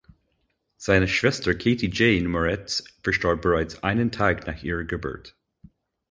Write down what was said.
Seine Schwester Katy Jane Moretz verstarb bereits einen Tag nach ihrer Geburt.